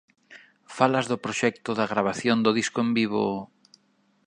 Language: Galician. Falas do proxecto da gravación do disco en vivo...